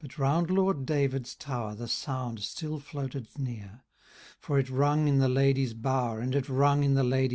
But round Lord David's tower The sound still floated near ; For it rung in the Ladye's bower, And it rung in the Ladye's ear.